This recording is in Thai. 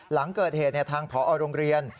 หลังเกิดเหตุทางผอโรงเรียน